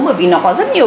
bởi vì nó có rất nhiều